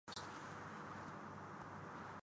جب یہ حویلی مناسب سمجھی جاتی تھی۔